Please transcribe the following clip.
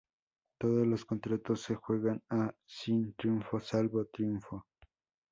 Todos los "contratos" se juegan a sin triunfo salvo "triunfo".